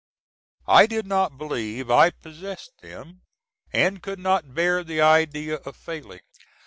I did not believe I possessed them, and could not bear the idea of failing.